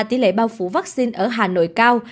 tỷ lệ bao phủ vaccine ở hà nội cao